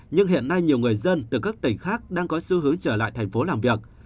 nhưng hiện nay nhiều người dân từ các tỉnh khác đang có xu hướng trở lại thành phố làm việc